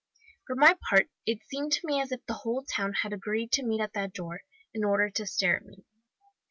For my part, it seemed to me as if the whole town had agreed to meet at that door, in order to stare at me.